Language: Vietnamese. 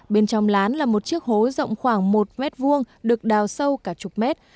bên trong lán là một chiếc hố rộng khoảng một mét vuông được đào sâu cả chục mét